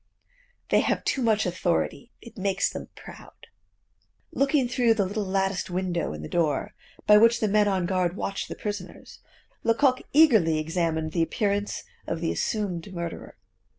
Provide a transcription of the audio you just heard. They have too much authority; it makes them proud." Looking through the little latticed window in the door, by which the men on guard watch the prisoners, Lecoq eagerly examined the appearance of the assumed murderer.